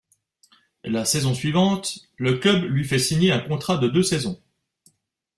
La saison suivante, le club lui fait signer un contrat de deux saisons.